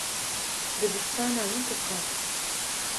Dibistana me du qat in.